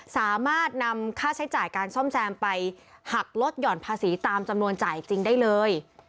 สามารถนำค่าใช้จ่ายการซ่อมแซมไปหักลดหย่อนภาษีตามจำนวนจ่ายจริงได้เลย